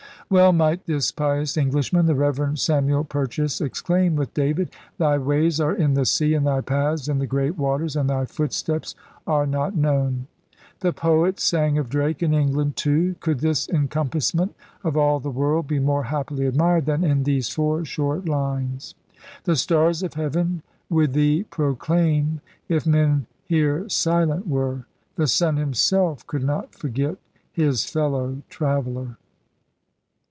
Well might this pious Englishman, the Reverend Samuel Purchas, exclaim with David: Thy ways are in the Sea, and Thy paths in the great waters, and Thy footsteps are not known. The poets sang of Drake and England, too. Could his *Encompassment of All the Worlde' be more happily admired than in these four short lines : The Stars of Heaven would thee proclaim If men here silent were. The Sun himself could not forget His fellow traveller.